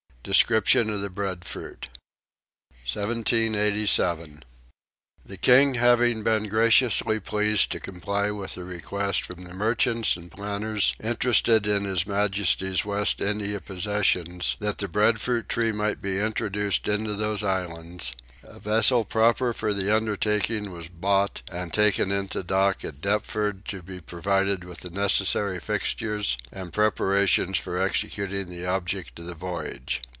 Description of the Breadfruit. 1787. The King having been graciously pleased to comply with a request from the merchants and planters interested in his Majesty's West India possessions that the breadfruit tree might be introduced into those islands, a vessel proper for the undertaking was bought and taken into dock at Deptford to be provided with the necessary fixtures and preparations for executing the object of the voyage.